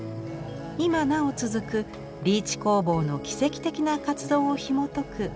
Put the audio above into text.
今なお続くリーチ工房の奇跡的な活動をひもとく展覧会です。